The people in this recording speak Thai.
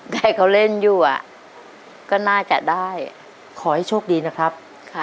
ได้เขาเล่นอยู่อ่ะก็น่าจะได้ขอให้โชคดีนะครับค่ะ